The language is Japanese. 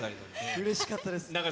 うれしかったです。